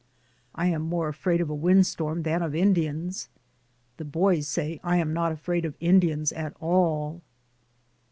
I am more afraid of a DAYS ON THE ROAD. 93 wind storm than of Indians. The boys say I am not afraid of Indians at all.